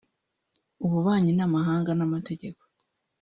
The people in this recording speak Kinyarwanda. ububanyi n’amahanga n’amategeko